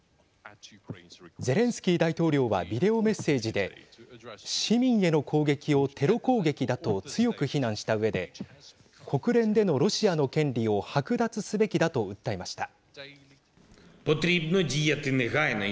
ゼレンスキー大統領はビデオメッセージで市民への攻撃をテロ攻撃だと強く非難したうえで国連でのロシアの権利を剥奪すべきだと訴えました。